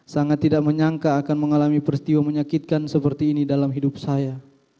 sangat tidak menyangka akan mengalami peristiwa menyakitkan seperti ini dalam hidup saya